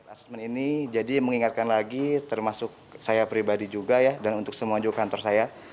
asmen ini jadi mengingatkan lagi termasuk saya pribadi juga ya dan untuk semua juga kantor saya